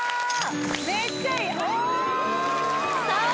めっちゃいいああ！